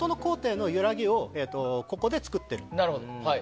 その音の高低の揺らぎをここで作っている。